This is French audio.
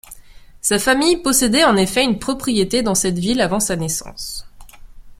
Sa famille possédait en effet une propriété dans cette ville avant sa naissance.